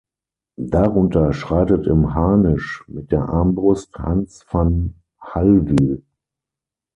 Darunter schreitet im Harnisch mit der Armbrust Hans von Hallwyl.